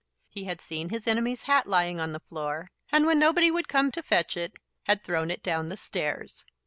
He had seen his enemy's hat lying on the floor, and, when nobody would come to fetch it, had thrown it down the stairs.